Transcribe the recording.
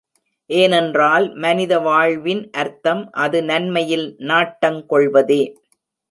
ஏனென்றால், மனித வாழ்வின் அர்த்தம் அது நன்மையில் நாட்டங் கொள்வதே.